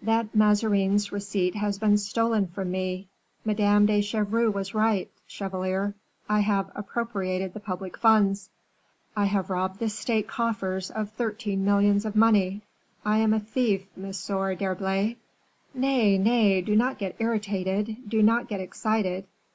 "That Mazarin's receipt has been stolen from me; Madame de Chevreuse was right, chevalier; I have appropriated the public funds, I have robbed the state coffers of thirteen millions of money; I am a thief, Monsieur d'Herblay." "Nay, nay, do not get irritated do not get excited."